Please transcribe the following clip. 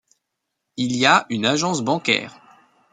Il y a une agence bancaire.